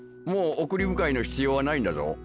もう送り迎えの必要はないんだぞ。